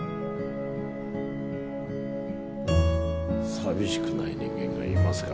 寂しくない人間がいますか？